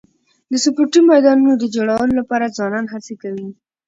د سپورټي میدانونو د جوړولو لپاره ځوانان هڅي کوي.